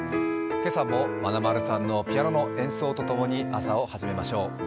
今朝もまなまるさんのピアノの演奏とともに朝を始めましょう。